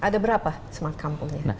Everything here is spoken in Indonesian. ada berapa smart kampungnya